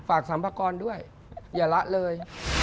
สัมภากรด้วยอย่าละเลย